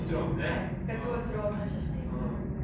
すごいそれは感謝しています。